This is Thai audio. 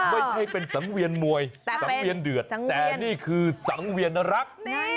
ไม่ใช่เป็นสังเวียนมวยสังเวียนเดือดแต่นี่คือสังเวียนรัก